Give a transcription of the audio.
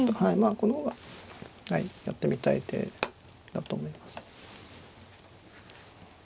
この方がはいやってみたい手だと思います。